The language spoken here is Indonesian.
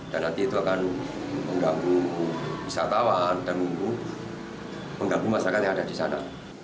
dan nanti itu akan mengganggu wisatawan dan mengganggu masyarakat yang ada di sana